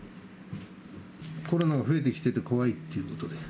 コロナが増えてきて怖いということで。